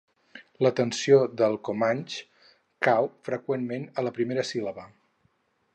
La tensió del Comanxe cau freqüentment a la primera síl·laba.